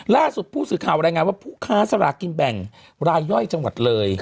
ล่าสุดผู้สื่อข่าวรายงานว่าผู้ค้าสลากกินแบ่งรายย่อยจังหวัดเลย